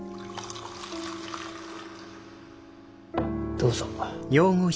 どうぞ。